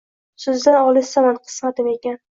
Sizdan olisdaman qismatim ekan